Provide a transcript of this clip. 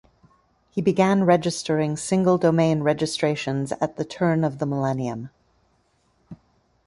He began registering single domain registrations at the turn of the millennium.